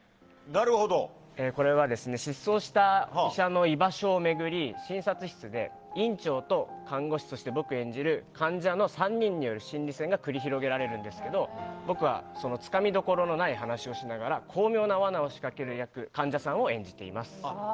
これは失踪した医者の居場所を巡り診察室で、院長と看護師そして僕演じる患者の３人による心理戦が繰り広げられるんですが僕はつかみどころのない話をしながら巧妙なわなを仕掛ける役患者さんを演じています。